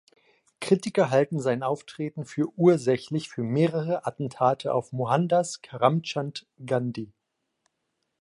Kritiker halten sein Auftreten für ursächlich für mehrere Attentate auf Mohandas Karamchand Gandhi.